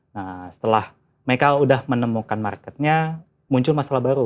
nah setelah mereka sudah menemukan marketnya muncul masalah baru